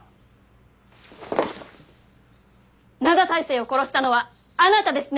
灘大聖を殺したのはあなたですね？